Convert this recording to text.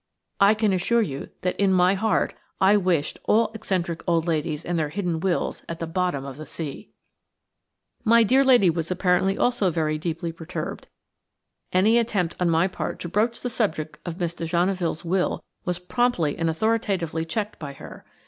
I can assure you that in my heart I wished all eccentric old ladies and their hidden wills at the bottom of the sea. My dear lady was apparently also very deeply perturbed; any attempt on my part to broach the subject of Miss de Genneville's will was promptly and authoritatively checked by her.